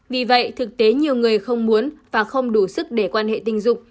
vì vậy thực tế nhiều người không muốn và không đủ sức để quan hệ tình dục